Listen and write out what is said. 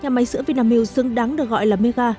nhà máy sữa vinamilk xứng đáng được gọi là mega